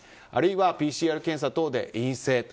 あるいはＰＣＲ検査等で陰性。